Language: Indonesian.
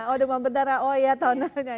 oh demam berdarah oh ya tahun tahunya